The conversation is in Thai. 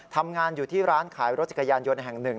ทำงานอยู่ที่ร้านขายรถจักรยานยนต์แห่งหนึ่ง